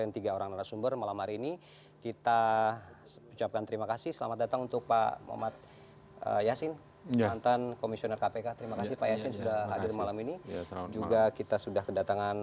terima kasih juga kita sudah kedatangan